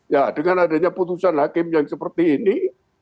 ya dengan adanya putusan hakim yang seperti ini